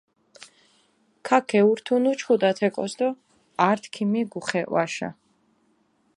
ქაქ გეურთუნ უჩქუდუ ათე კოს დო ართი ქიმიგუ ხე ჸვაშა.